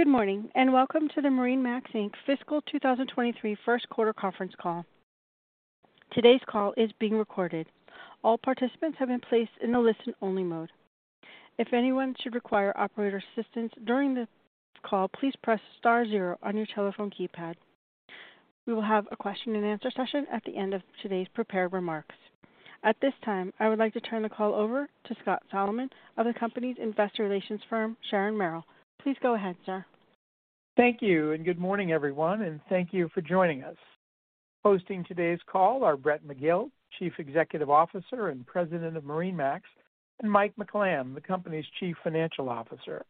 Good morning, welcome to the MarineMax, Inc. Fiscal 2023 First Quarter Conference Call. Today's call is being recorded. All participants have been placed in a listen-only mode. If anyone should require operator assistance during this call, please press star zero on your telephone keypad. We will have a question-and-answer session at the end of today's prepared remarks. At this time, I would like to turn the call over to Scott Solomon of the company's investor relations firm, Sharon Merrill. Please go ahead, sir. Thank you. Good morning, everyone, and thank you for joining us. Hosting today's call are Brett McGill, Chief Executive Officer and President of MarineMax, and Mike McLamb, the company's Chief Financial Officer.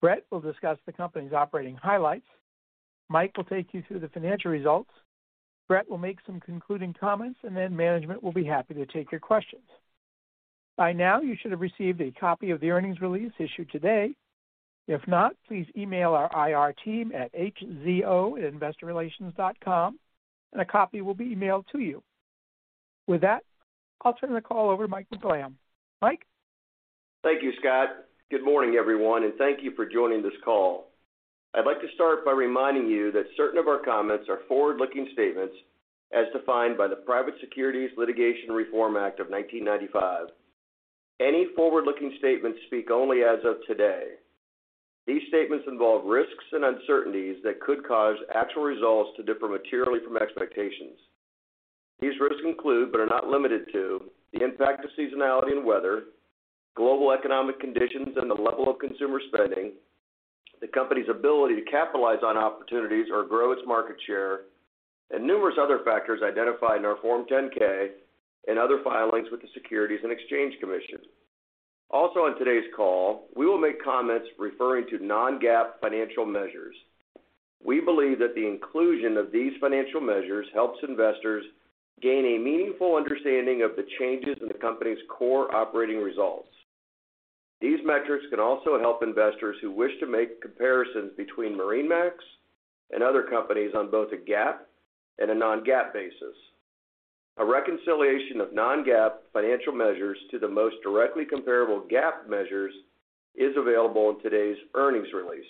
Brett will discuss the company's operating highlights. Mike will take you through the financial results. Brett will make some concluding comments, and then management will be happy to take your questions. By now, you should have received a copy of the earnings release issued today. If not, please email our IR team at investorrelations@marinemax.com, and a copy will be emailed to you. With that, I'll turn the call over to Mike McLamb. Mike. Thank you, Scott. Good morning, everyone, and thank you for joining this call. I'd like to start by reminding you that certain of our comments are forward-looking statements as defined by the Private Securities Litigation Reform Act of 1995. Any forward-looking statements speak only as of today. These statements involve risks and uncertainties that could cause actual results to differ materially from expectations. These risks include, but are not limited to, the impact of seasonality and weather, global economic conditions and the level of consumer spending, the Company's ability to capitalize on opportunities or grow its market share, and numerous other factors identified in our Form 10-K and other filings with the Securities and Exchange Commission. Also on today's call, we will make comments referring to non-GAAP financial measures. We believe that the inclusion of these financial measures helps investors gain a meaningful understanding of the changes in the company's core operating results. These metrics can also help investors who wish to make comparisons between MarineMax and other companies on both a GAAP and a non-GAAP basis. A reconciliation of non-GAAP financial measures to the most directly comparable GAAP measures is available in today's earnings release.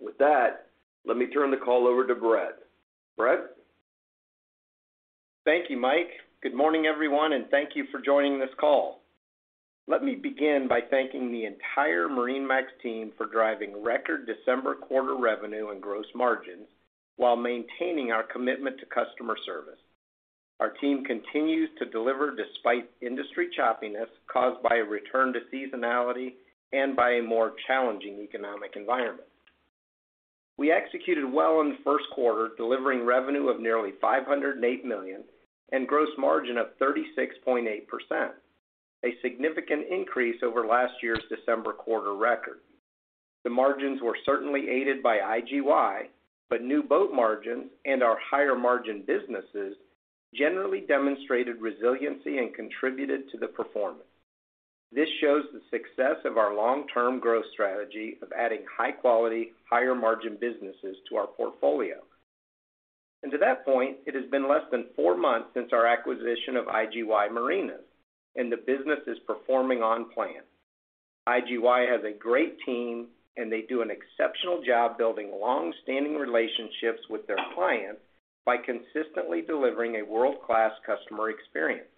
With that, let me turn the call over to Brett. Thank you, Mike McLamb. Good morning, everyone. Thank you for joining this call. Let me begin by thanking the entire MarineMax team for driving record December quarter revenue and gross margins while maintaining our commitment to customer service. Our team continues to deliver despite industry choppiness caused by a return to seasonality and by a more challenging economic environment. We executed well in the first quarter, delivering revenue of nearly $508 million and gross margin of 36.8%, a significant increase over last year's December quarter record. The margins were certainly aided by IGY. New boat margins and our higher-margin businesses generally demonstrated resiliency and contributed to the performance. This shows the success of our long-term growth strategy of adding high-quality, higher-margin businesses to our portfolio. To that point, it has been less than 4 months since our acquisition of IGY Marinas, and the business is performing on plan. IGY has a great team, and they do an exceptional job building long-standing relationships with their clients by consistently delivering a world-class customer experience.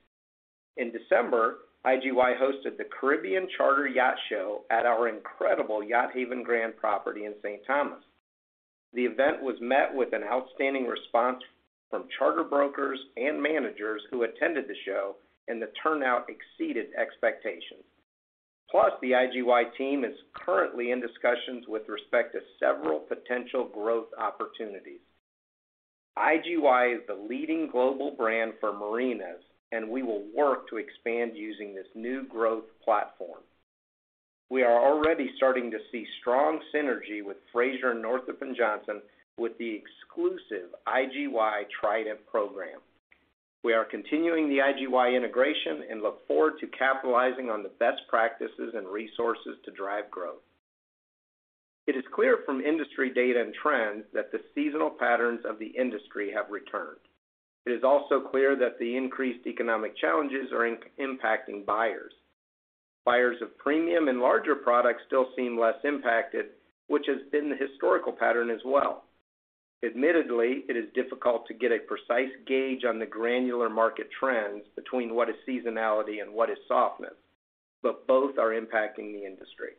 In December, IGY hosted the Caribbean Charter Yacht Show at our incredible Yacht Haven Grande property in St. Thomas. The event was met with an outstanding response from charter brokers and managers who attended the show, and the turnout exceeded expectations. The IGY team is currently in discussions with respect to several potential growth opportunities. IGY is the leading global brand for marinas, and we will work to expand using this new growth platform. We are already starting to see strong synergy with Fraser & Northrop & Johnson with the exclusive IGY Trident program. We are continuing the IGY integration and look forward to capitalizing on the best practices and resources to drive growth. It is clear from industry data and trends that the seasonal patterns of the industry have returned. It is also clear that the increased economic challenges are impacting buyers. Buyers of premium and larger products still seem less impacted, which has been the historical pattern as well. Admittedly, it is difficult to get a precise gauge on the granular market trends between what is seasonality and what is softness, but both are impacting the industry.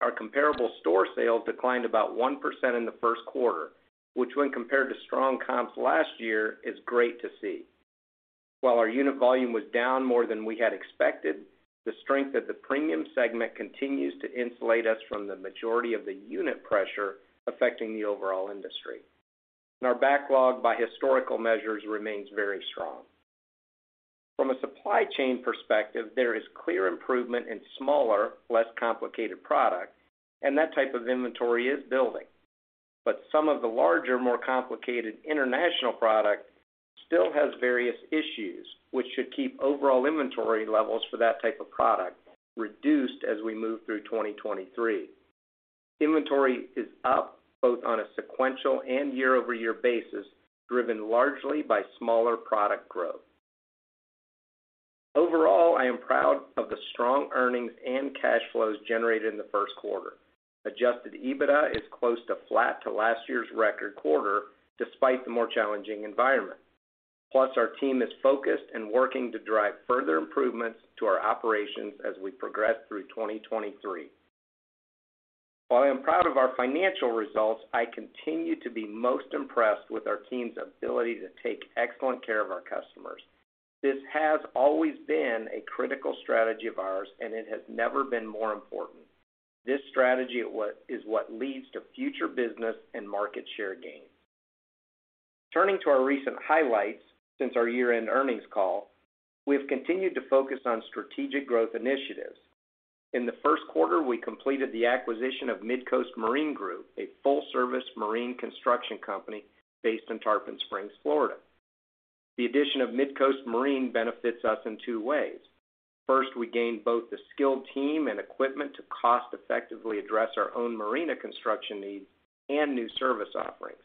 Our comparable store sales declined about 1% in the first quarter, which when compared to strong comps last year is great to see. While our unit volume was down more than we had expected, the strength of the premium segment continues to insulate us from the majority of the unit pressure affecting the overall industry. Our backlog by historical measures remains very strong. From a supply chain perspective, there is clear improvement in smaller, less complicated product, and that type of inventory is building. Some of the larger, more complicated international product still has various issues, which should keep overall inventory levels for that type of product reduced as we move through 2023. Inventory is up both on a sequential and year-over-year basis, driven largely by smaller product growth. Overall, I am proud of the strong earnings and cash flows generated in the first quarter. Adjusted EBITDA is close to flat to last year's record quarter despite the more challenging environment. Our team is focused and working to drive further improvements to our operations as we progress through 2023. While I am proud of our financial results, I continue to be most impressed with our team's ability to take excellent care of our customers. This has always been a critical strategy of ours, and it has never been more important. This strategy is what leads to future business and market share gains. Turning to our recent highlights since our year-end earnings call, we have continued to focus on strategic growth initiatives. In the first quarter, we completed the acquisition of MidCoast Marine Group, a full-service marine construction company based in Tarpon Springs, Florida. The addition of MidCoast Marine benefits us in two ways. First, we gain both the skilled team and equipment to cost effectively address our own marina construction needs and new service offerings.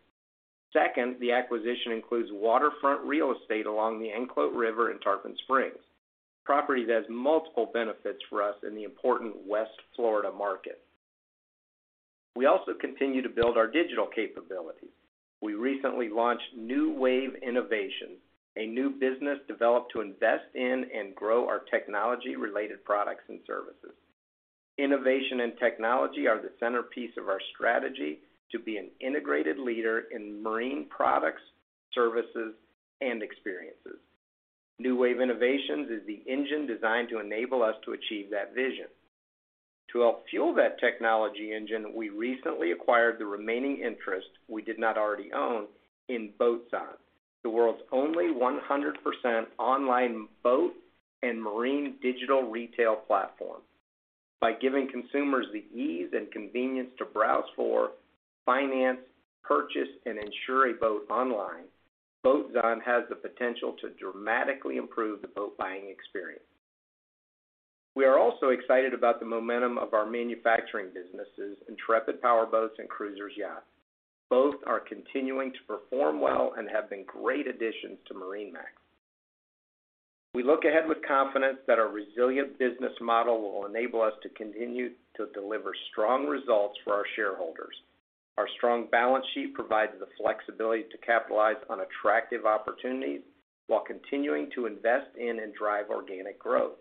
Second, the acquisition includes waterfront real estate along the Anclote River in Tarpon Springs, property that has multiple benefits for us in the important West Florida market. We also continue to build our digital capability. We recently launched New Wave Innovations, a new business developed to invest in and grow our technology-related products and services. Innovation and technology are the centerpiece of our strategy to be an integrated leader in marine products, services, and experiences. New Wave Innovations is the engine designed to enable us to achieve that vision. To help fuel that technology engine, we recently acquired the remaining interest we did not already own in Boatzon, the world's only 100% online boat and marine digital retail platform. By giving consumers the ease and convenience to browse for, finance, purchase, and insure a boat online, Boatzon has the potential to dramatically improve the boat buying experience. We are also excited about the momentum of our manufacturing businesses, Intrepid Powerboats and Cruisers Yachts. Both are continuing to perform well and have been great additions to MarineMax. We look ahead with confidence that our resilient business model will enable us to continue to deliver strong results for our shareholders. Our strong balance sheet provides the flexibility to capitalize on attractive opportunities while continuing to invest in and drive organic growth.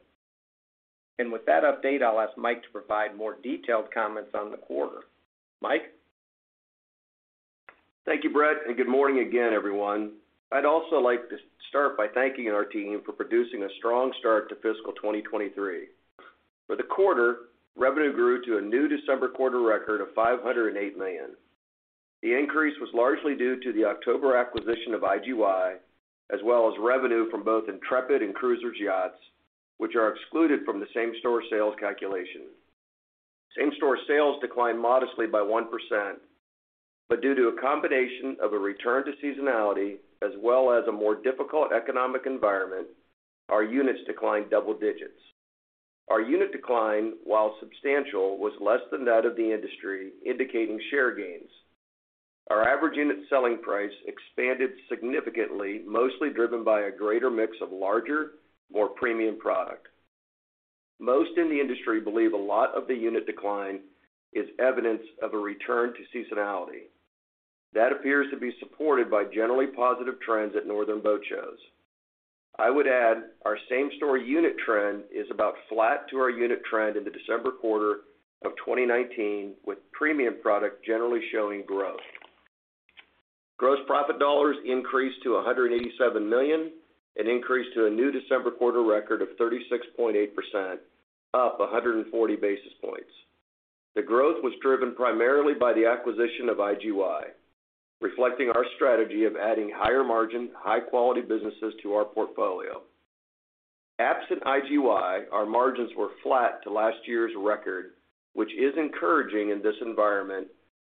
With that update, I'll ask Mike to provide more detailed comments on the quarter. Mike? Thank you, Brett, and good morning again, everyone. I'd also like to start by thanking our team for producing a strong start to fiscal 2023. For the quarter, revenue grew to a new December quarter record of $508 million. The increase was largely due to the October acquisition of IGY, as well as revenue from both Intrepid and Cruisers Yachts, which are excluded from the same-store sales calculation. Same-store sales declined modestly by 1%, but due to a combination of a return to seasonality as well as a more difficult economic environment, our units declined double digits. Our unit decline, while substantial, was less than that of the industry, indicating share gains. Our average unit selling price expanded significantly, mostly driven by a greater mix of larger, more premium product. Most in the industry believe a lot of the unit decline is evidence of a return to seasonality. That appears to be supported by generally positive trends at northern boat shows. I would add our same-store unit trend is about flat to our unit trend in the December quarter of 2019, with premium product generally showing growth. Gross profit dollars increased to $187 million, an increase to a new December quarter record of 36.8%, up 140 basis points. The growth was driven primarily by the acquisition of IGY, reflecting our strategy of adding higher-margin, high-quality businesses to our portfolio. Absent IGY, our margins were flat to last year's record, which is encouraging in this environment,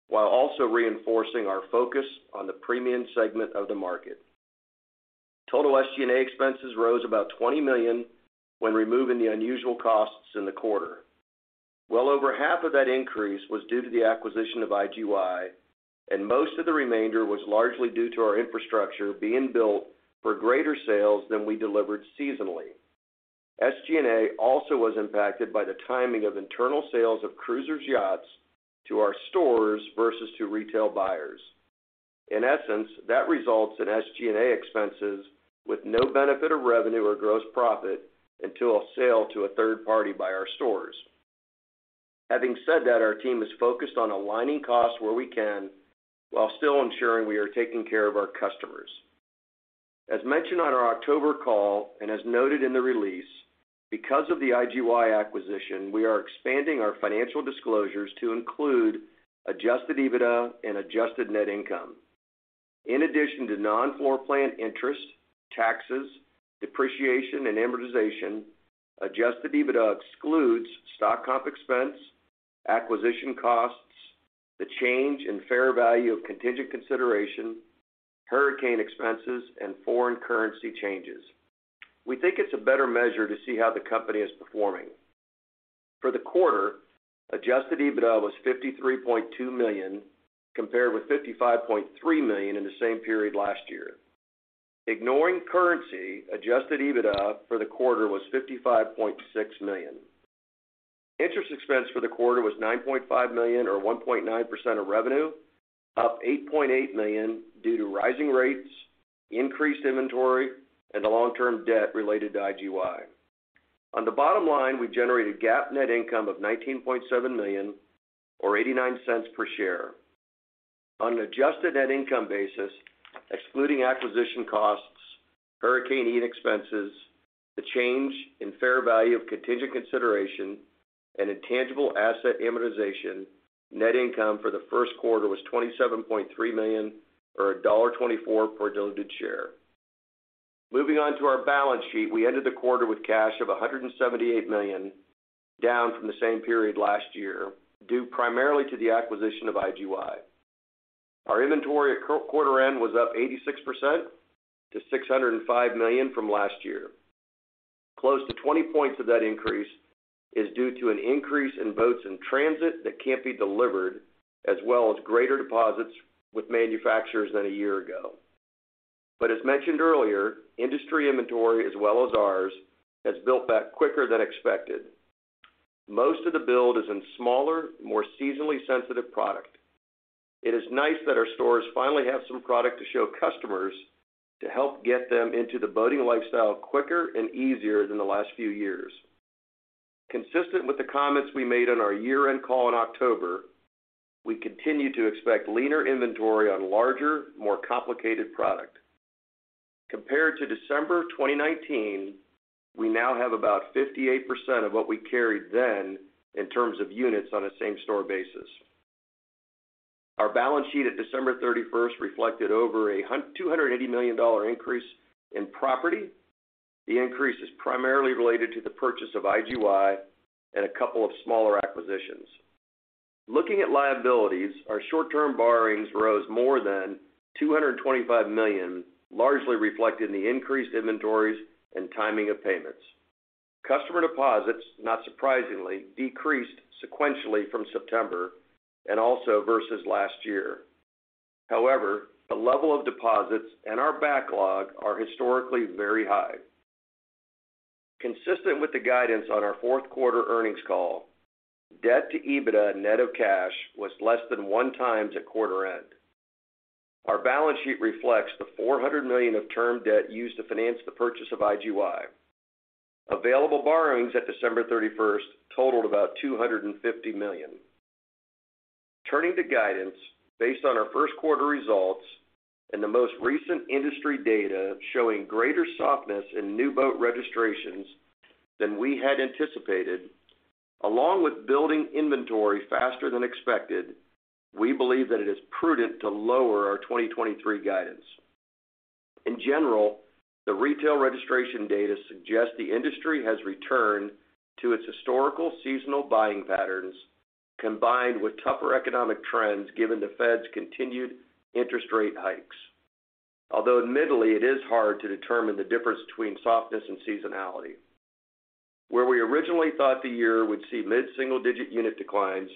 while also reinforcing our focus on the premium segment of the market. Total SG&A expenses rose about $20 million when removing the unusual costs in the quarter. Well over half of that increase was due to the acquisition of IGY, and most of the remainder was largely due to our infrastructure being built for greater sales than we delivered seasonally. SG&A also was impacted by the timing of internal sales of Cruisers Yachts to our stores versus to retail buyers. In essence, that results in SG&A expenses with no benefit of revenue or gross profit until a sale to a third party by our stores. Having said that, our team is focused on aligning costs where we can while still ensuring we are taking care of our customers. As mentioned on our October call and as noted in the release, because of the IGY acquisition, we are expanding our financial disclosures to include Adjusted EBITDA and Adjusted Net Income. In addition to non-floor plan interest, taxes, depreciation, and amortization, Adjusted EBITDA excludes stock comp expense, acquisition costs, the change in fair value of contingent consideration, hurricane expenses, and foreign currency changes. We think it's a better measure to see how the company is performing. For the quarter, Adjusted EBITDA was $53.2 million, compared with $55.3 million in the same period last year. Ignoring currency, Adjusted EBITDA for the quarter was $55.6 million. Interest expense for the quarter was $9.5 million or 1.9% of revenue, up $8.8 million due to rising rates, increased inventory, and the long-term debt related to IGY. On the bottom line, we generated GAAP net income of $19.7 million or $0.89 per share. On an Adjusted Net Income basis, excluding acquisition costs, Hurricane Ian expenses, the change in fair value of contingent consideration, and intangible asset amortization, net income for the first quarter was $27.3 million or $1.24 per diluted share. Moving on to our balance sheet, we ended the quarter with cash of $178 million, down from the same period last year, due primarily to the acquisition of IGY. Our inventory at quarter-end was up 86% to $605 million from last year. Close to 20 points of that increase is due to an increase in boats in transit that can't be delivered, as well as greater deposits with manufacturers than a year ago. As mentioned earlier, industry inventory, as well as ours, has built back quicker than expected. Most of the build is in smaller, more seasonally sensitive product. It is nice that our stores finally have some product to show customers to help get them into the boating lifestyle quicker and easier than the last few years. Consistent with the comments we made on our year-end call in October, we continue to expect leaner inventory on larger, more complicated product. Compared to December 2019, we now have about 58% of what we carried then in terms of units on a same store basis. Our balance sheet at December 31st reflected over a $280 million increase in property. The increase is primarily related to the purchase of IGY and a couple of smaller acquisitions. Looking at liabilities, our short-term borrowings rose more than $225 million, largely reflecting the increased inventories and timing of payments. Customer deposits, not surprisingly, decreased sequentially from September and also versus last year. The level of deposits and our backlog are historically very high. Consistent with the guidance on our fourth quarter earnings call, debt to EBITDA net of cash was less than 1x at quarter end. Our balance sheet reflects the $400 million of term debt used to finance the purchase of IGY. Available borrowings at December 31st totaled about $250 million. Turning to guidance, based on our first quarter results and the most recent industry data showing greater softness in new boat registrations than we had anticipated, along with building inventory faster than expected, we believe that it is prudent to lower our 2023 guidance. In general, the retail registration data suggests the industry has returned to its historical seasonal buying patterns combined with tougher economic trends given the Fed's continued interest rate hikes. Although admittedly, it is hard to determine the difference between softness and seasonality. Where we originally thought the year would see mid-single digit unit declines,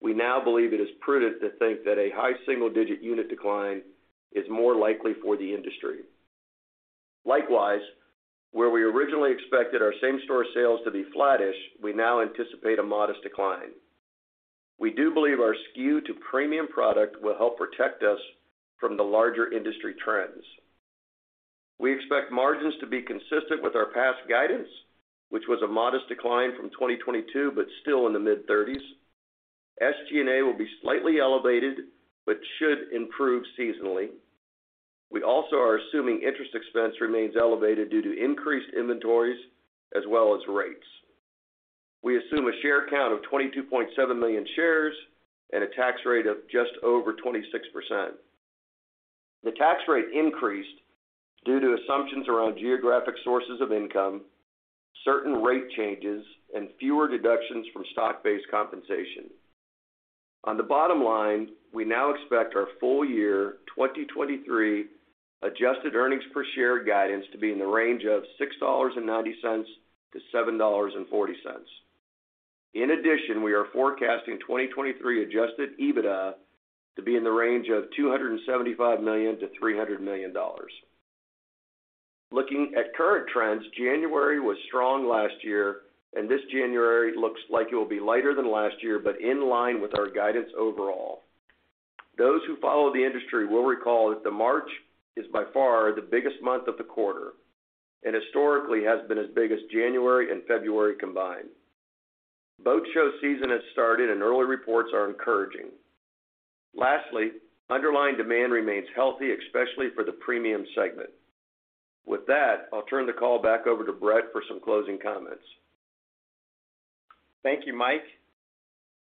we now believe it is prudent to think that a high single digit unit decline is more likely for the industry. Likewise, where we originally expected our same store sales to be flattish, we now anticipate a modest decline. We do believe our skew to premium product will help protect us from the larger industry trends. We expect margins to be consistent with our past guidance, which was a modest decline from 2022, but still in the mid-thirties. SG&A will be slightly elevated but should improve seasonally. We also are assuming interest expense remains elevated due to increased inventories as well as rates. We assume a share count of 22.7 million shares and a tax rate of just over 26%. The tax rate increased due to assumptions around geographic sources of income, certain rate changes, and fewer deductions from stock-based compensation. On the bottom line, we now expect our full year 2023 Adjusted earnings per share guidance to be in the range of $6.90-$7.40. In addition, we are forecasting 2023 Adjusted EBITDA to be in the range of $275 million-$300 million. Looking at current trends, January was strong last year, and this January looks like it will be lighter than last year, but in line with our guidance overall. Those who follow the industry will recall that the March is by far the biggest month of the quarter, and historically has been as big as January and February combined. Boat show season has started and early reports are encouraging. Lastly, underlying demand remains healthy, especially for the premium segment. With that, I'll turn the call back over to Brett for some closing comments. Thank you, Mike.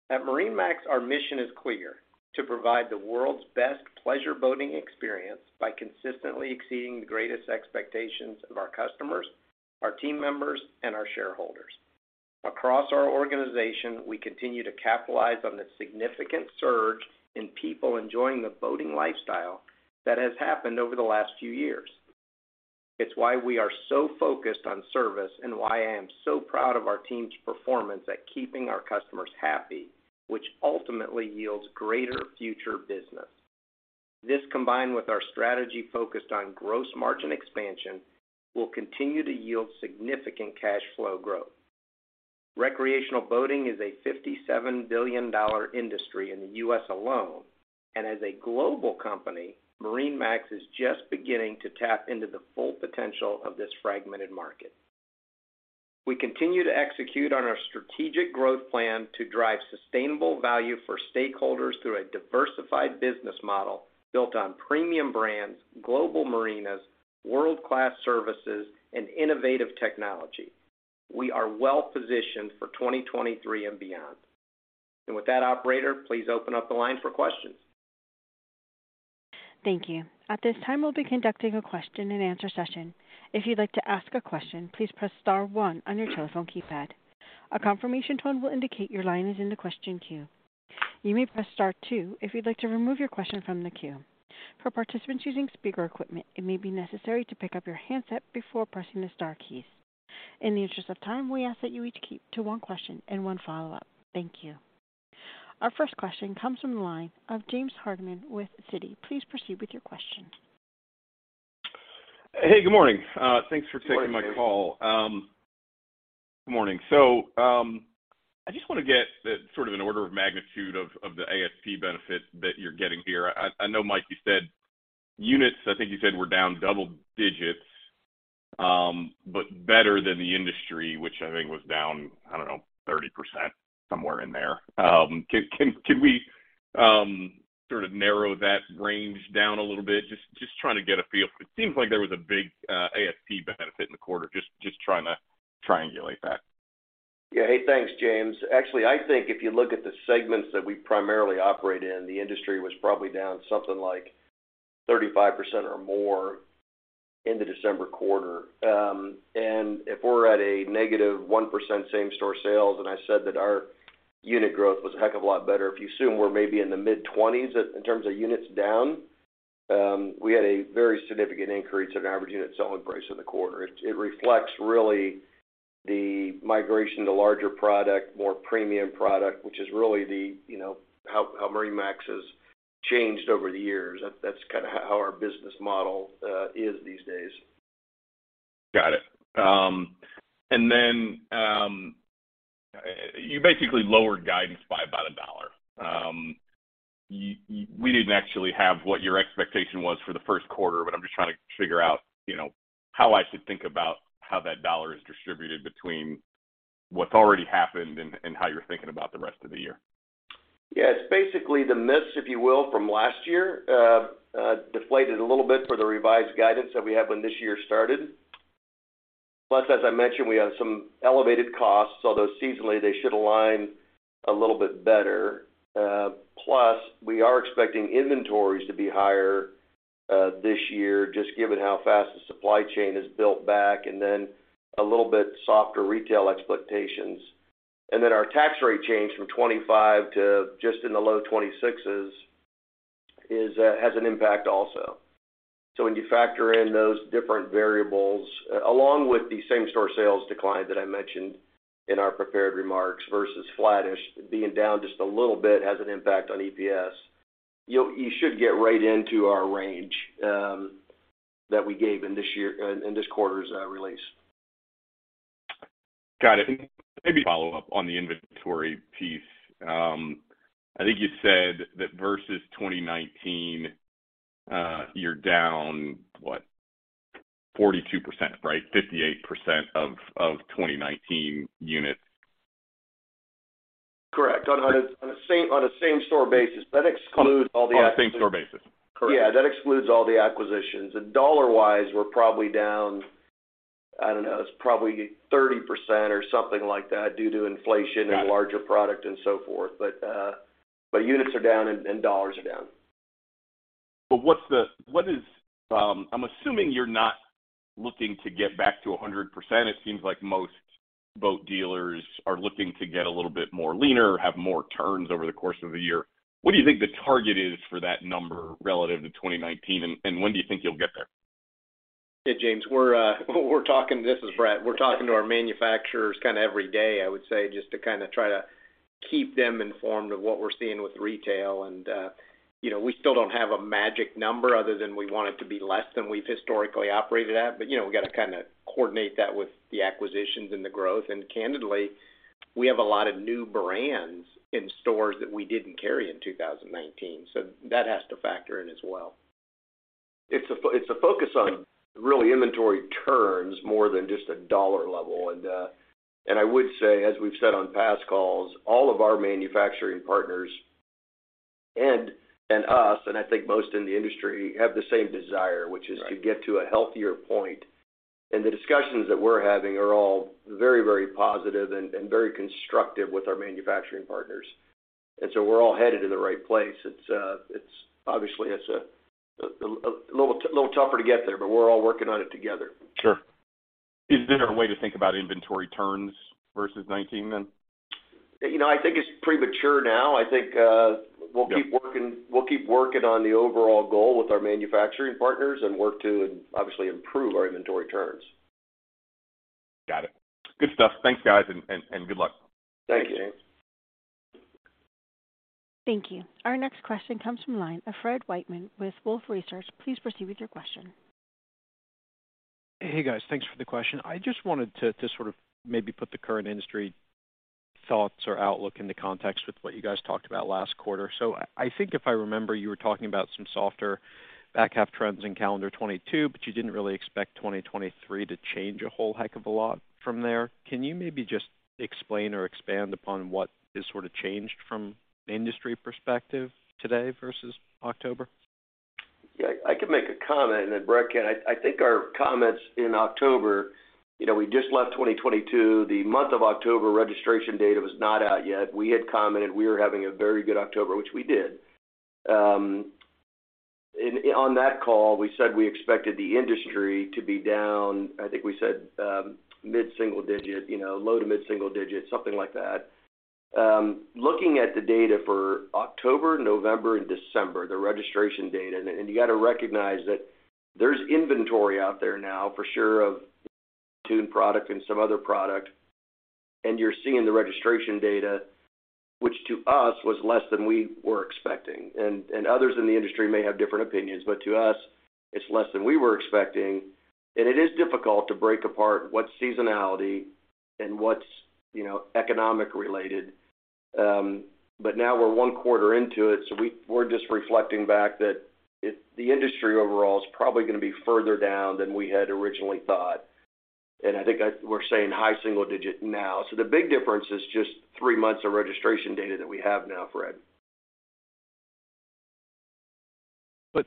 At MarineMax, our mission is clear: to provide the world's best pleasure boating experience by consistently exceeding the greatest expectations of our customers, our team members, and our shareholders. Across our organization, we continue to capitalize on the significant surge in people enjoying the boating lifestyle that has happened over the last few years. It's why we are so focused on service and why I am so proud of our team's performance at keeping our customers happy, which ultimately yields greater future business. This, combined with our strategy focused on gross margin expansion, will continue to yield significant cash flow growth. Recreational boating is a $57 billion industry in the U.S. alone, and as a global company, MarineMax is just beginning to tap into the full potential of this fragmented market. We continue to execute on our strategic growth plan to drive sustainable value for stakeholders through a diversified business model built on premium brands, global marinas, world-class services, and innovative technology. We are well-positioned for 2023 and beyond. With that, operator, please open up the line for questions. Thank you. At this time, we'll be conducting a question-and-answer session. If you'd like to ask a question, please press star one on your telephone keypad. A confirmation tone will indicate your line is in the question queue. You may press star two if you'd like to remove your question from the queue. For participants using speaker equipment, it may be necessary to pick up your handset before pressing the star keys. In the interest of time, we ask that you each keep to one question and one follow-up. Thank you. Our first question comes from the line of James Hardiman with Citi. Please proceed with your question. Hey, good morning. Thanks for taking my call. Good morning. Good morning. I just want to get the sort of an order of magnitude of the ASP benefit that you're getting here. I know, Mike, you said units, I think you said were down double digits, but better than the industry, which I think was down, I don't know, 30%, somewhere in there. Can we sort of narrow that range down a little bit? Just trying to get a feel. It seems like there was a big ASP benefit in the quarter. Just trying to triangulate that. Yeah. Hey, thanks, James. Actually, I think if you look at the segments that we primarily operate in, the industry was probably down something like 35% or more in the December quarter. If we're at a negative 1% same-store sales, and I said that our unit growth was a heck of a lot better, if you assume we're maybe in the mid-20s at, in terms of units down, we had a very significant increase in average unit selling price in the quarter. It reflects really the migration to larger product, more premium product, which is really the, you know, how MarineMax has changed over the years. That's kind of how our business model is these days. Got it. You basically lowered guidance by about $1. We didn't actually have what your expectation was for the first quarter, but I'm just trying to figure out, you know, how I should think about how that $1 is distributed between what's already happened and how you're thinking about the rest of the year. It's basically the miss, if you will, from last year, deflated a little bit for the revised guidance that we had when this year started. As I mentioned, we had some elevated costs, although seasonally, they should align a little bit better. We are expecting inventories to be higher this year, just given how fast the supply chain is built back, and then a little bit softer retail expectations. Our tax rate change from 25 to just in the low 26s is has an impact also. When you factor in those different variables, along with the same-store sales decline that I mentioned in our prepared remarks versus flattish, being down just a little bit has an impact on EPS. You should get right into our range, that we gave in this year, in this quarter's release. Got it. Maybe a follow-up on the inventory piece. I think you said that versus 2019, you're down, what, 42%, right? 58% of 2019 units. Correct. On a same-store basis. That excludes all the- On a same-store basis. Correct. Yeah. That excludes all the acquisitions. Dollar-wise, we're probably down, I don't know, it's probably 30% or something like that due to inflation and larger product and so forth. Units are down and dollars are down. What is... I'm assuming you're not looking to get back to 100%. It seems like most boat dealers are looking to get a little bit more leaner, have more turns over the course of the year. What do you think the target is for that number relative to 2019, and when do you think you'll get there? Yeah, James. We're talking. This is Brett. We're talking to our manufacturers kind of every day, I would say, just to kind of try to keep them informed of what we're seeing with retail. You know, we still don't have a magic number other than we want it to be less than we've historically operated at. You know, we gotta kind of coordinate that with the acquisitions and the growth. Candidly, we have a lot of new brands in stores that we didn't carry in 2019, so that has to factor in as well. It's a focus on really inventory turns more than just a dollar level. I would say, as we've said on past calls, all of our manufacturing partners and us, and I think most in the industry, have the same desire, which is. Right To get to a healthier point. The discussions that we're having are all very, very positive and very constructive with our manufacturing partners. We're all headed in the right place. It's obviously, it's a little tougher to get there, but we're all working on it together. Sure. Is there a way to think about inventory turns versus 19 then? You know, I think it's premature now. I think we'll keep working on the overall goal with our manufacturing partners and work to obviously improve our inventory turns. Got it. Good stuff. Thanks, guys. Good luck. Thank you. Thank you. Our next question comes from line of Fred Wightman with Wolfe Research. Please proceed with your question. Hey, guys. Thanks for the question. I just wanted to sort of maybe put the current industry thoughts or outlook into context with what you guys talked about last quarter. I think if I remember, you were talking about some softer back half trends in calendar 2022, you didn't really expect 2023 to change a whole heck of a lot from there. Can you maybe just explain or expand upon what is sort of changed from an industry perspective today versus October? Yeah, I can make a comment and then Brett can. I think our comments in October, you know, we just left 2022. The month of October registration data was not out yet. We had commented we were having a very good October, which we did. On that call, we said we expected the industry to be down, I think we said, low to mid-single digit, something like that. Looking at the data for October, November and December, the registration data, and you got to recognize that there's inventory out there now for sure of tune product and some other product, and you're seeing the registration data, which to us was less than we were expecting. Others in the industry may have different opinions, but to us, it's less than we were expecting. It is difficult to break apart what's seasonality and what's, you know, economic related. Now we're 1 quarter into it, we're just reflecting back that the industry overall is probably going to be further down than we had originally thought. I think that we're saying high single digit now. The big difference is just 3 months of registration data that we have now, Fred.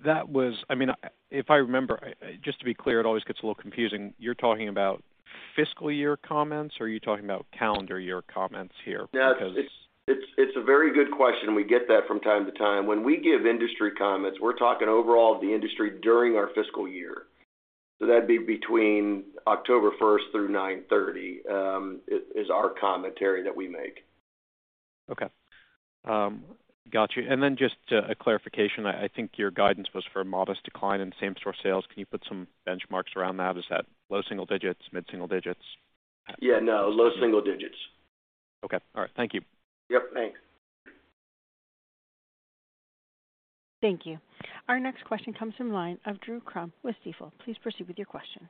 That was, I mean, if I remember, just to be clear, it always gets a little confusing. You're talking about fiscal year comments, or are you talking about calendar year comments here? Yeah, it's a very good question. We get that from time to time. When we give industry comments, we're talking overall the industry during our fiscal year. That'd be between October first through 9/30 is our commentary that we make. Okay. got you. Then just a clarification, I think your guidance was for a modest decline in same-store sales. Can you put some benchmarks around that? Is that low single digits, mid single digits? Yeah, no, low single digits. Okay. All right. Thank you. Yep. Thanks. Thank you. Our next question comes from line of Drew Crum with Stifel. Please proceed with your question.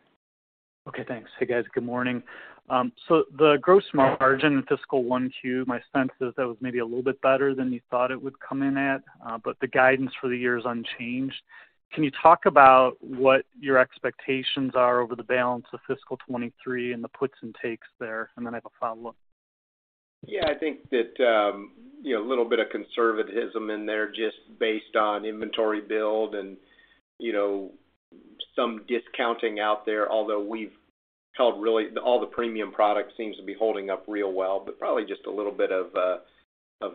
Okay. Thanks. Hey, guys. Good morning. The gross margin in fiscal 1Q, my sense is that was maybe a little bit better than you thought it would come in at. The guidance for the year is unchanged. Can you talk about what your expectations are over the balance of fiscal 2023 and the puts and takes there? I have a follow-up. I think that, you know, a little bit of conservatism in there just based on inventory build and, you know, some discounting out there. Although we've held all the premium product seems to be holding up real well, but probably just a little bit of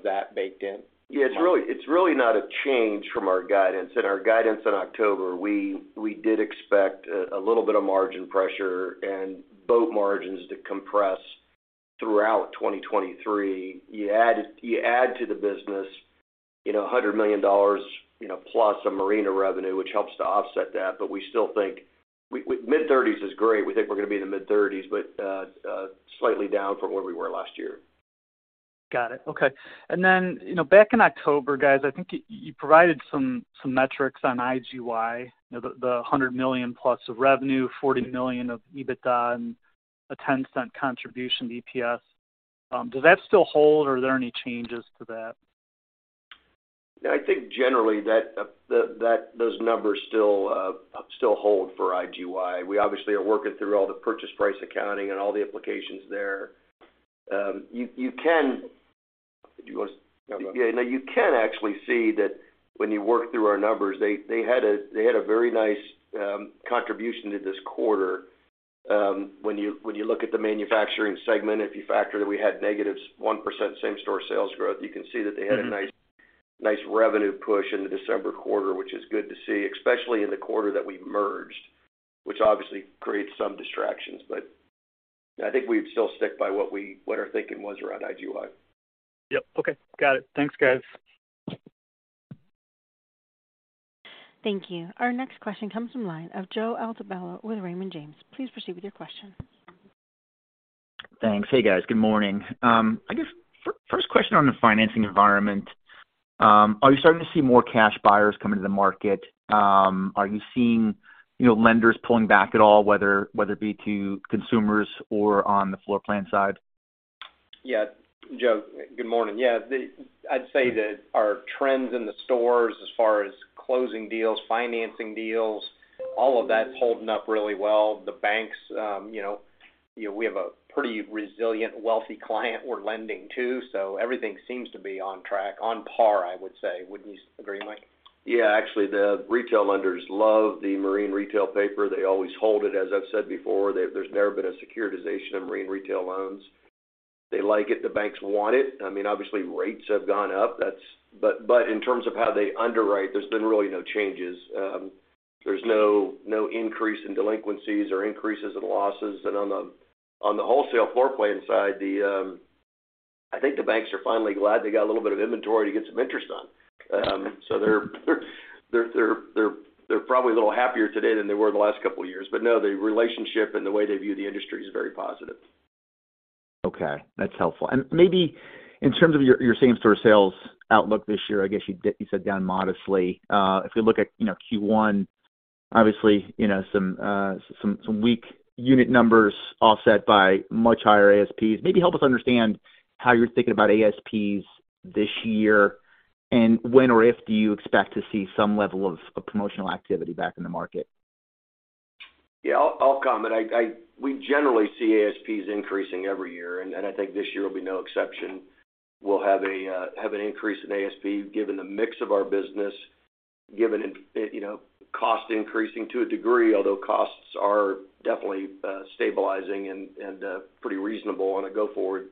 that baked in. It's really not a change from our guidance. In our guidance in October, we did expect a little bit of margin pressure and boat margins to compress throughout 2023. You add to the business, you know, $100 million, you know, plus some marina revenue, which helps to offset that. We still think mid-thirties is great. We think we're going to be in the mid-thirties, but slightly down from where we were last year. Got it. Okay. Then, you know, back in October, guys, I think you provided some metrics on IGY, you know, the $100 million plus of revenue, $40 million of EBITDA and a $0.10 contribution to EPS. Does that still hold or are there any changes to that? I think generally that those numbers still hold for IGY. We obviously are working through all the purchase price accounting and all the implications there. You can actually see that when you work through our numbers, they had a very nice contribution to this quarter. When you look at the manufacturing segment, if you factor that we had negative 1% same-store sales growth, you can see that they had a nice revenue push in the December quarter, which is good to see, especially in the quarter that we merged, which obviously creates some distractions. I think we'd still stick by what our thinking was around IGY. Yep. Okay. Got it. Thanks, guys. Thank you. Our next question comes from line of Joe Altobello with Raymond James. Please proceed with your question. Thanks. Hey, guys. Good morning. I guess first question on the financing environment, are you starting to see more cash buyers come into the market? Are you seeing, you know, lenders pulling back at all, whether it be to consumers or on the floor plan side? Joe, good morning. Yeah, I'd say that our trends in the stores as far as closing deals, financing deals, all of that's holding up really well. The banks, you know, we have a pretty resilient, wealthy client we're lending to. Everything seems to be on track, on par, I would say. Wouldn't you agree, Mike? Actually, the retail lenders love the marine retail paper. They always hold it, as I've said before. There's never been a securitization of marine retail loans. They like it, the banks want it. I mean, obviously, rates have gone up. In terms of how they underwrite, there's been really no changes. There's no increase in delinquencies or increases in losses. On the wholesale floor plan side. I think the banks are finally glad they got a little bit of inventory to get some interest on. They're probably a little happier today than they were the last couple of years. No, the relationship and the way they view the industry is very positive. That's helpful. Maybe in terms of your same-store sales outlook this year, I guess you said down modestly. If we look at, you know, Q1, obviously, you know, some weak unit numbers offset by much higher ASPs. Maybe help us understand how you're thinking about ASPs this year, and when or if do you expect to see some level of promotional activity back in the market? Yeah, I'll comment. We generally see ASPs increasing every year, and I think this year will be no exception. We'll have an increase in ASP given the mix of our business, given in, you know, cost increasing to a degree, although costs are definitely stabilizing and pretty reasonable on a go-forward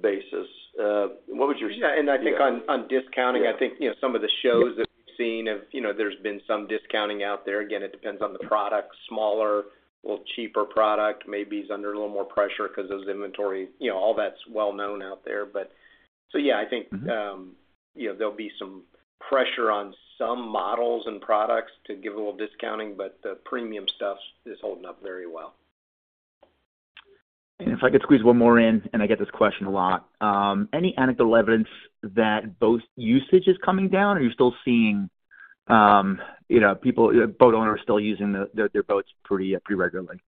basis. Yeah, I think on discounting... Yeah. I think, you know, some of the shows that we've seen have, you know, there's been some discounting out there. Again, it depends on the product. Smaller, little cheaper product maybe is under a little more pressure because those inventory, you know, all that's well known out there. Yeah, I think. You know, there'll be some pressure on some models and products to give a little discounting, but the premium stuff is holding up very well. If I could squeeze one more in, and I get this question a lot, any anecdotal evidence that boat usage is coming down? Are you still seeing, you know, people, boat owners still using their boats pretty regularly?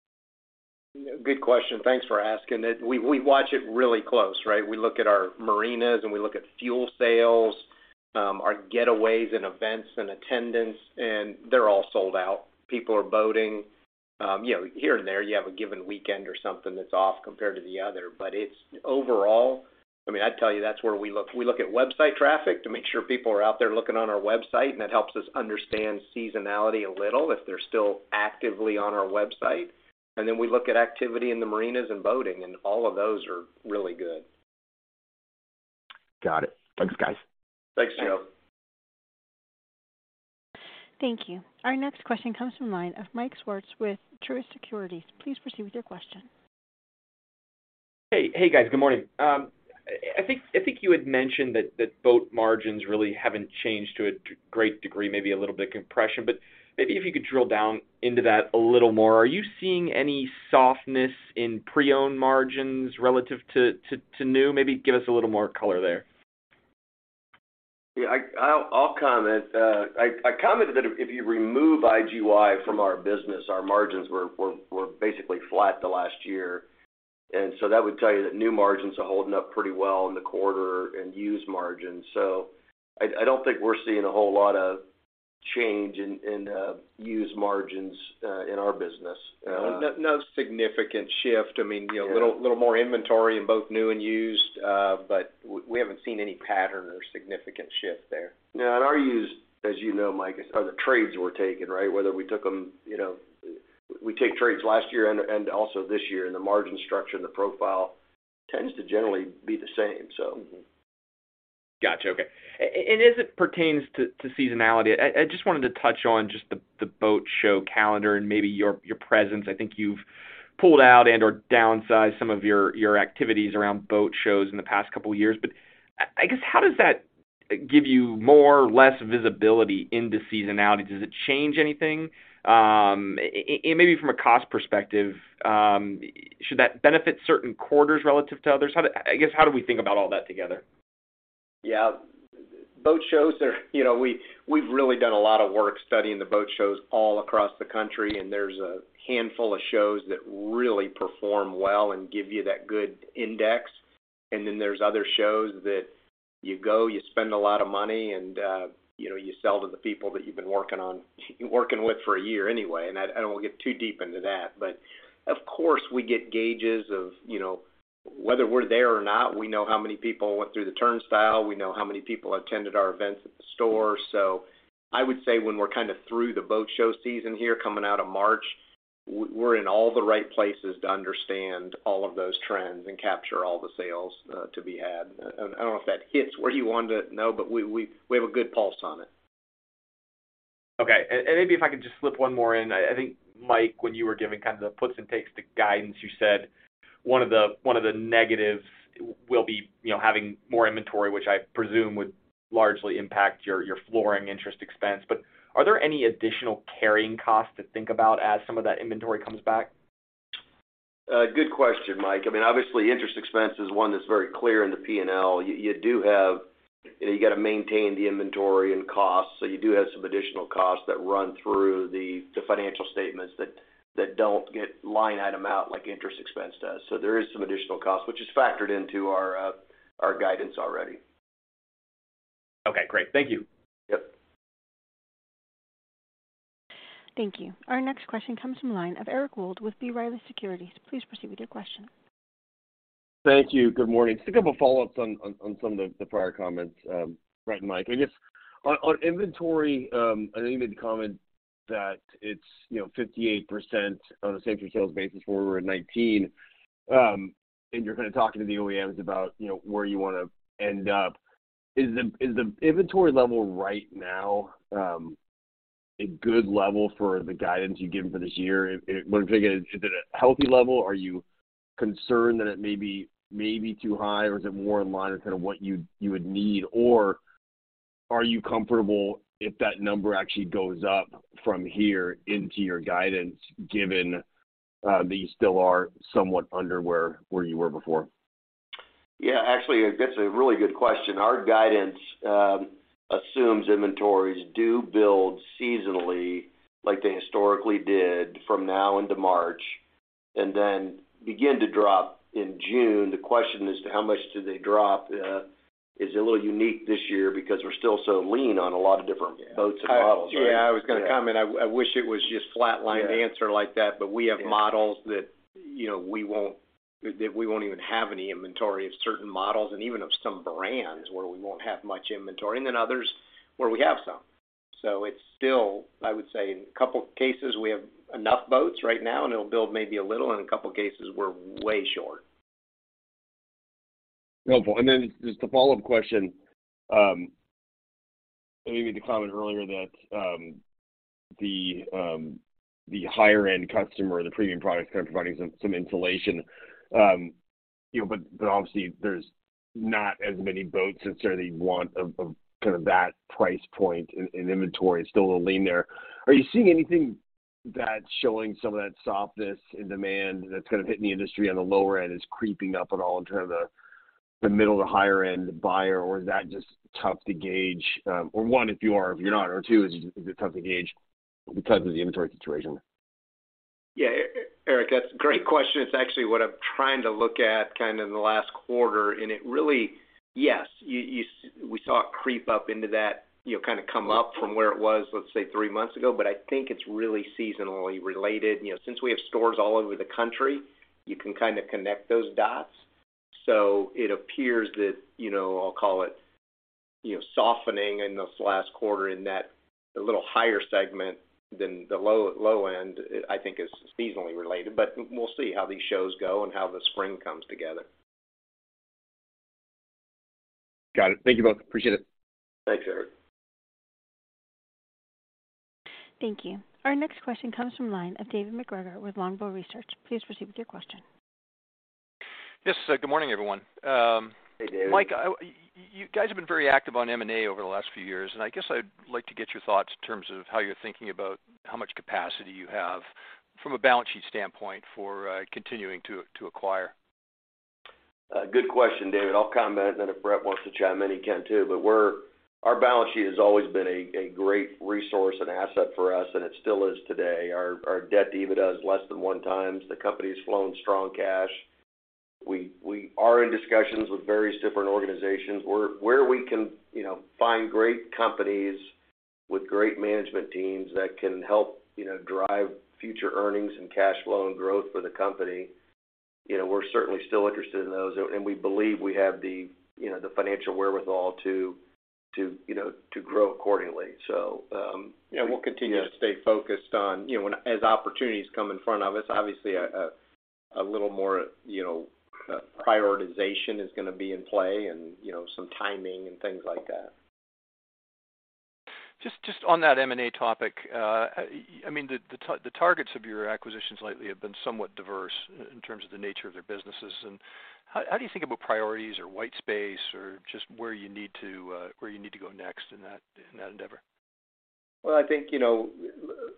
Good question. Thanks for asking. We watch it really close, right? We look at our marinas, and we look at fuel sales, our getaways and events and attendance, and they're all sold out. People are boating. You know, here and there, you have a given weekend or something that's off compared to the other. It's overall, I mean, I'd tell you that's where we look. We look at website traffic to make sure people are out there looking on our website, and it helps us understand seasonality a little if they're still actively on our website. We look at activity in the marinas and boating, and all of those are really good. Got it. Thanks, guys. Thanks, Joe. Thank you. Our next question comes from line of Michael Swartz with Truist Securities. Please proceed with your question. Hey guys, good morning. I think you had mentioned that boat margins really haven't changed to a great degree, maybe a little bit compression. Maybe if you could drill down into that a little more. Are you seeing any softness in pre-owned margins relative to new? Maybe give us a little more color there. Yeah, I'll comment. I commented that if you remove IGY from our business, our margins were basically flat the last year. That would tell you that new margins are holding up pretty well in the quarter and used margins. I don't think we're seeing a whole lot of change in used margins, in our business. No, no significant shift. I mean-you know, little more inventory in both new and used, but we haven't seen any pattern or significant shift there. Our used, as you know, Mike, are the trades we're taking, right? Whether we took them, you know. We take trades last year and also this year, and the margin structure and the profile tends to generally be the same, so. Got you. Okay. As it pertains to seasonality, I just wanted to touch on just the boat show calendar and maybe your presence. I think you've pulled out and/or downsized some of your activities around boat shows in the past couple of years. I guess how does that give you more or less visibility into seasonality? Does it change anything? Maybe from a cost perspective, should that benefit certain quarters relative to others? I guess, how do we think about all that together? Yeah. Boat shows are, you know, we've really done a lot of work studying the boat shows all across the country. There's a handful of shows that really perform well and give you that good index. There's other shows that you go, you spend a lot of money and, you know, you sell to the people that you've been working on, working with for 1 year anyway. I don't want to get too deep into that, but of course, we get gauges of, you know, whether we're there or not, we know how many people went through the turnstile, we know how many people attended our events at the store. I would say when we're kind of through the boat show season here coming out of March, we're in all the right places to understand all of those trends and capture all the sales to be had. I don't know if that hits what you wanted to know, but we have a good pulse on it. Okay. Maybe if I could just slip one more in. I think, Mike, when you were giving kind of the puts and takes to guidance, you said one of the negatives will be, you know, having more inventory, which I presume would largely impact your flooring interest expense. Are there any additional carrying costs to think about as some of that inventory comes back? Good question, Mike. I mean, obviously interest expense is one that's very clear in the P&L. You do have... You know, you got to maintain the inventory and costs. You do have some additional costs that run through the financial statements that don't get line item out like interest expense does. There is some additional cost, which is factored into our guidance already. Okay, great. Thank you. Yep. Thank you. Our next question comes from the line of Eric Wold with B. Riley Securities. Please proceed with your question. Thank you. Good morning. Just a couple follow-ups on some of the prior comments, Brett and Mike. I guess on inventory, I know you made the comment That it's, you know, 58% on a same-store sales basis where we were in 2019. You're kind of talking to the OEMs about, you know, where you wanna end up. Is the, is the inventory level right now a good level for the guidance you've given for this year? One thing again, is it a healthy level? Are you concerned that it may be too high, or is it more in line with kind of what you would need? Are you comfortable if that number actually goes up from here into your guidance given that you still are somewhat under where you were before? Yeah, actually, that's a really good question. Our guidance assumes inventories do build seasonally like they historically did from now into March, and then begin to drop in June. The question is to how much do they drop? Is a little unique this year because we're still so lean on a lot of different boats and models. I was gonna comment. I wish it was just flat line answer like that, but we have models that, you know, that we won't even have any inventory of certain models and even of some brands where we won't have much inventory, and then others where we have some. It's still, I would say in a couple cases, we have enough boats right now and it'll build maybe a little, in a couple cases we're way short. Helpful. Just a follow-up question. You made the comment earlier that the higher-end customer, the premium products kind of providing some insulation. You know, but obviously there's not as many boats that sort of want of kind of that price point in inventory. It's still a little lean there. Are you seeing anything that's showing some of that softness in demand that's kind of hitting the industry on the lower end is creeping up at all in terms of the middle to higher end buyer, or is that just tough to gauge? If you are, if you're not, or two, is it tough to gauge because of the inventory situation? Yeah. Eric, that's a great question. It's actually what I'm trying to look at kind of in the last quarter. Yes, we saw it creep up into that, you know, kind of come up from where it was, let's say 3 months ago, I think it's really seasonally related. You know, since we have stores all over the country, you can kind of connect those dots. It appears that, you know, I'll call it, you know, softening in this last quarter in that a little higher segment than the low, low end, I think is seasonally related. We'll see how these shows go and how the spring comes together. Got it. Thank you both. Appreciate it. Thanks, Eric. Thank you. Our next question comes from line of David MacGregor with Longbow Research. Please proceed with your question. Yes. Good morning, everyone. Hey, David. Mike, you guys have been very active on M&A over the last few years, and I guess I'd like to get your thoughts in terms of how you're thinking about how much capacity you have from a balance sheet standpoint for continuing to acquire? A good question, David. I'll comment then if Brett wants to chime in, he can too. Our balance sheet has always been a great resource and asset for us, and it still is today. Our debt to EBITDA is less than 1 times. The company's flowing strong cash. We are in discussions with various different organizations. Where we can, you know, find great companies with great management teams that can help, you know, drive future earnings and cash flow and growth for the company, you know, we're certainly still interested in those. We believe we have the, you know, the financial wherewithal to, you know, to grow accordingly, so. Yeah, we'll continue to stay focused on, you know, as opportunities come in front of us, obviously a little more, you know, prioritization is gonna be in play and, you know, some timing and things like that. Just on that M&A topic, I mean, the targets of your acquisitions lately have been somewhat diverse in terms of the nature of their businesses. How do you think about priorities or white space or just where you need to go next in that endeavor? I think, you know,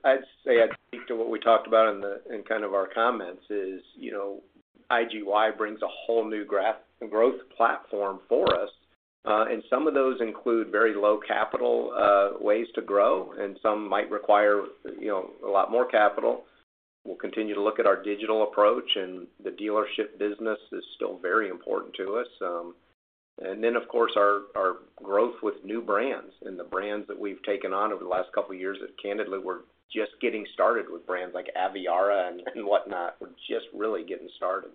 I'd say I'd speak to what we talked about in the, in kind of our comments is, you know, IGY brings a whole new growth platform for us. Some of those include very low capital, ways to grow, and some might require, you know, a lot more capital. We'll continue to look at our digital approach. The dealership business is still very important to us. Then of course, our growth with new brands and the brands that we've taken on over the last couple of years that candidly, we're just getting started with brands like Aviara and whatnot. We're just really getting started.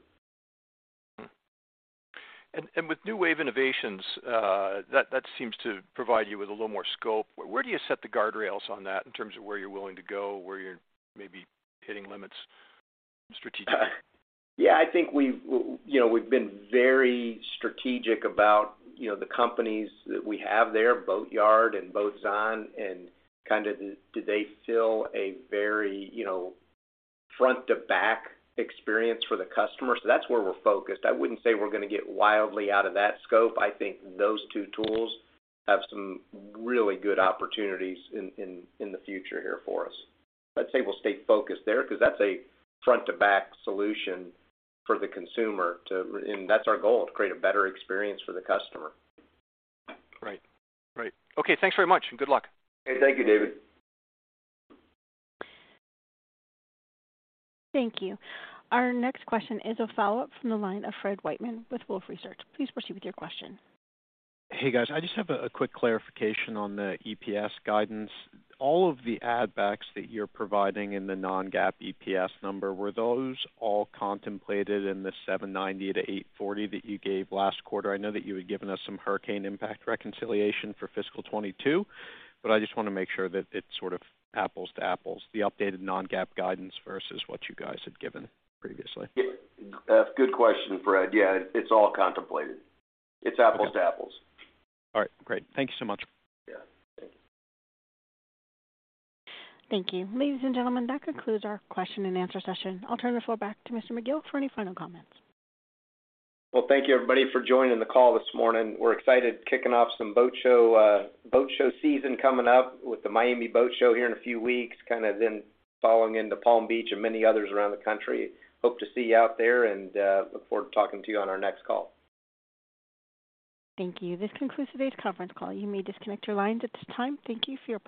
With New Wave Innovations, that seems to provide you with a little more scope. Where do you set the guardrails on that in terms of where you're willing to go, where you're maybe hitting limits strategically? Yeah, I think we've, you know, we've been very strategic about, you know, the companies that we have there, Boatyard and Boatzon, and kind of do they fill a very, you know, front to back experience for the customer? That's where we're focused. I wouldn't say we're gonna get wildly out of that scope. I think those two tools have some really good opportunities in the future here for us. I'd say we'll stay focused there because that's a front to back solution for the consumer to... That's our goal, to create a better experience for the customer. Right. Right. Okay, thanks very much, and good luck. Hey, thank you, David. Thank you. Our next question is a follow-up from the line of Fred Wightman with Wolfe Research. Please proceed with your question. Hey, guys. I just have a quick clarification on the EPS guidance. All of the add backs that you're providing in the non-GAAP EPS number, were those all contemplated in the $7.90-$8.40 that you gave last quarter? I know that you had given us some hurricane impact reconciliation for fiscal 2022, I just wanna make sure that it's sort of apples to apples, the updated non-GAAP guidance versus what you guys had given previously. Yeah. good question, Fred. Yeah, it's all contemplated. It's apples to apples. All right, great. Thank you so much. Yeah. Thanks. Thank you. Ladies and gentlemen, that concludes our question and answer session. I'll turn the floor back to Mr. McGill for any final comments. Well, thank you, everybody, for joining the call this morning. We're excited kicking off some boat show, boat show season coming up with the Miami Boat Show here in a few weeks, kind of then following into Palm Beach and many others around the country. Hope to see you out there and, look forward to talking to you on our next call. Thank you. This concludes today's conference call. You may disconnect your lines at this time. Thank you for your participation.